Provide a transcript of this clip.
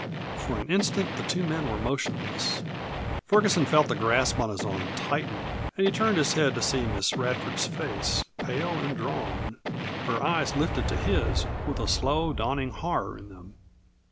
For an instant the two men were motionless. Ferguson felt the grasp on his arm tighten, and he turned his head to see Miss Radford's face, pale and drawn; her eyes lifted to his with a slow, dawning horror in them.